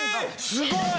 すごい！